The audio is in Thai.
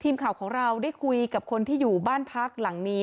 ทีมข่าวของเราได้คุยกับคนที่อยู่บ้านพักหลังนี้